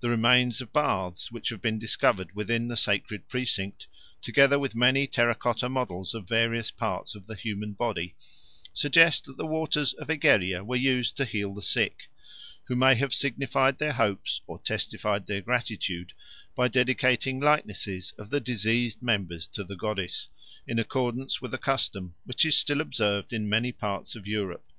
The remains of baths which have been discovered within the sacred precinct, together with many terra cotta models of various parts of the human body, suggest that the waters of Egeria were used to heal the sick, who may have signified their hopes or testified their gratitude by dedicating likenesses of the diseased members to the goddess, in accordance with a custom which is still observed in many parts of Europe.